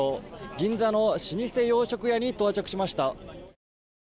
銀座の老舗洋食屋に到着しました。